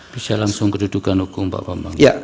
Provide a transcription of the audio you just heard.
bisa langsung kedudukan hukum pak bambang